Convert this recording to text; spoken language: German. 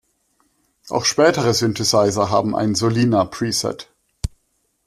Auch spätere Synthesizer haben ein „Solina-Preset“.